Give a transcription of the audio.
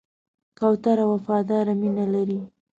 کوتره وفاداره مینه لري.